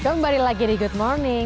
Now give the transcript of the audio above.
kembali lagi di good morning